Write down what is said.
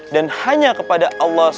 dan beri kemampuan kepada allah swt